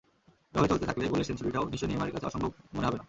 এভাবে চলতে থাকলে গোলের সেঞ্চুরিটাও নিশ্চয় নেইমারের কাছে অসম্ভব মনে হবে না।